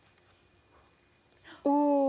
お。